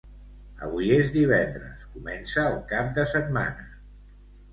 avui és divendres, comença el cap de setmana.